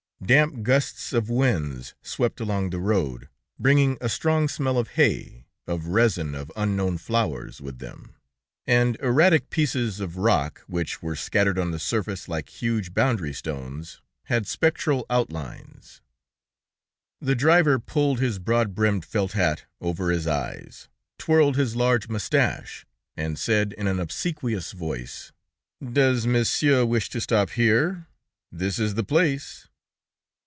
Damp gusts of winds swept along the road, bringing a strong smell of hay, of resin of unknown flowers, with them, and erratic pieces of rock, which were scattered on the surface like huge boundary stones, had spectral outlines. The driver pulled his broad brimmed felt hat over his eyes, twirled his large moustache, and said in an obsequious voice: "Does Monsieur wish to stop here? This is the place!"